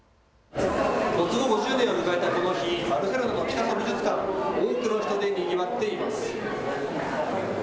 没後５０年を迎えたこの日、バルセロナのピカソ美術館、多くの人でにぎわっています。